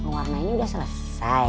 warnanya udah selesai